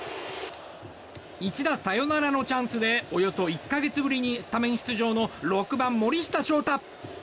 一打サヨナラのチャンスでおよそ１か月ぶりにスタメン出場の６番、森下翔太。